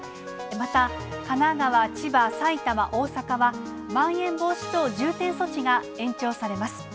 また、神奈川、千葉、埼玉、大阪は、まん延防止等重点措置が延長されます。